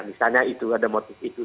misalnya itu ada motif itu